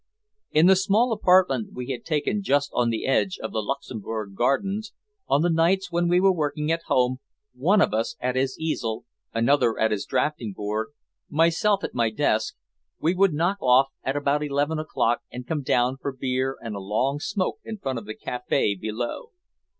In the small apartment we had taken just on the edge of the Luxembourg Gardens, on the nights when we were working at home, one of us at his easel, another at his drafting board, myself at my desk, we would knock off at about eleven o'clock and come down for beer and a long smoke in front of the café below.